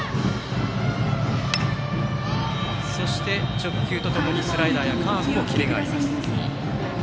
直球と共にスライダーやカーブもキレがあります。